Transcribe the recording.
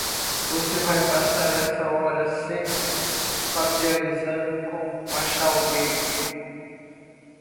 Você vai passar essa hora se familiarizando com Marshall Bailey.